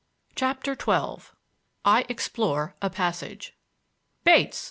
CHAPTER XII I EXPLORE A PASSAGE "Bates!"